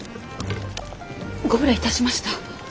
ご無礼いたしました。